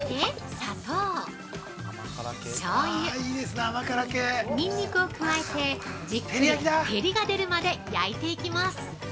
◆そして砂糖、しょうゆ、ニンニクを加えて、じっくり照りが出るまで焼いていきます。